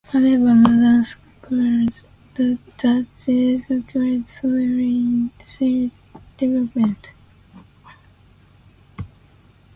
However, modern scholars doubt that these occurred so early in Silla's development.